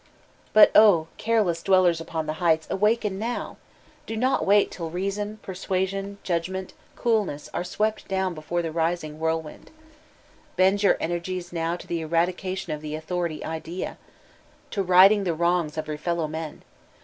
But O, careless dwellers upon the heights, awaken now I— do not wait till reason, persuasion, judgment, 4o6 VoLTAntiNB DB Cleyib coolness are swept down before the rising wbirhriiid. Bend your energies now to the eradication of the Auttor ity idea, to righting the wrongs of your feUow men.